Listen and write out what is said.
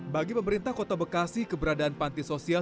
bagi pemerintah kota bekasi keberadaan panti sosial